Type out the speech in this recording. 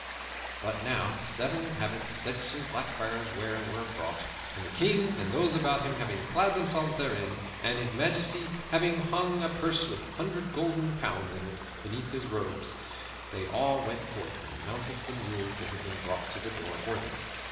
But now seven habits such as Black Friars wear were brought, and the King and those about him having clad themselves therein, and His Majesty having hung a purse with a hundred golden pounds in it beneath his robes, they all went forth and mounted the mules that had been brought to the door for them.